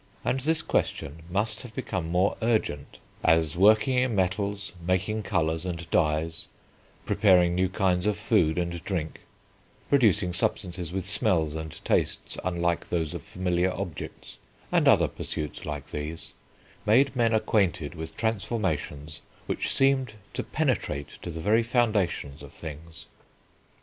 And this question must have become more urgent as working in metals, making colours and dyes, preparing new kinds of food and drink, producing substances with smells and tastes unlike those of familiar objects, and other pursuits like these, made men acquainted with transformations which seemed to penetrate to the very foundations of things.